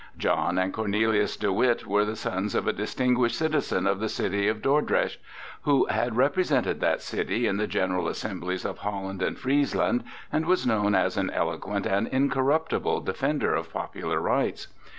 John and Cornelius de Witt were the sons of a distinguished citizen of the city of Dordrecht, who had represented that city in the general assemblies of Holland and Friesland and was known as an eloquent and incorruptible defender of popular rights.